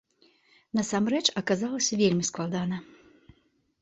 Насамрэч, аказалася вельмі складана.